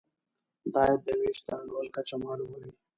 د عاید د وېش د انډول کچه معلوموي.